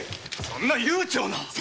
そんな悠長な。